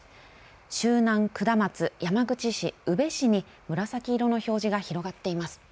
周南、下松、山口市、宇部市に紫色の表示が広がっています。